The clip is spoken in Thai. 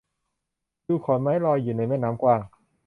ดูขอนไม้ลอยอยู่ในแม่น้ำกว้าง